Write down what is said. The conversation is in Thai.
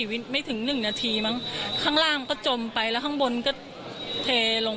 พูดสิทธิ์ข่าวธรรมดาทีวีรายงานสดจากโรงพยาบาลพระนครศรีอยุธยาครับ